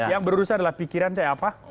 yang berurusan adalah pikiran saya apa